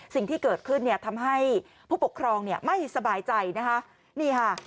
สิ่งที่เกิดขึ้นทำให้ผู้ปกครองไม่สบายใจนะคะ